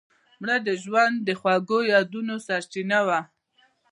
مړه د ژوند د خوږو یادونو سرچینه وه